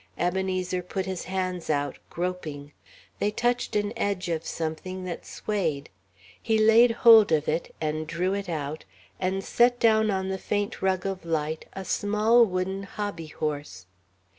Ebenezer put his hands out, groping. They touched an edge of something that swayed. He laid hold of it and drew it out and set down on the faint rug of light a small wooden hobbyhorse.